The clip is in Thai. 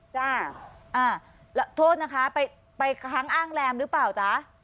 จ้ะโทษนะคะไปครั้งอ้างแรมหรือเปล่าจ๊ะ